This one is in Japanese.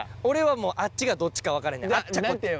俺はもう「あっち」がどっちか分からへんねん。